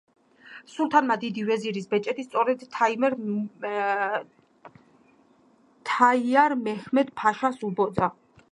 სულთანმა დიდი ვეზირის ბეჭედი სწორედ თაიარ მეჰმედ-ფაშას უბოძა.